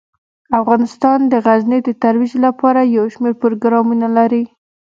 افغانستان د غزني د ترویج لپاره یو شمیر پروګرامونه لري.